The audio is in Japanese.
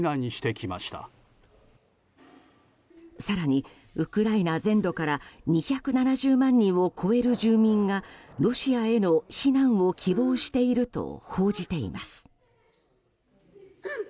更に、ウクライナ全土から２７０万人を超える住民がロシアへの避難を希望していると報じています。